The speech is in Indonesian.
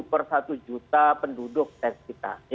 per satu juta penduduk